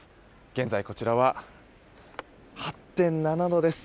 現在こちらは８．７度です。